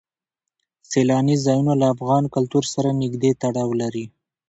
سیلاني ځایونه له افغان کلتور سره نږدې تړاو لري.